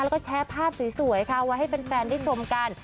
แล้วก็แชร์ภาพสวยค่ะไว้ให้แฟนได้ชมกัน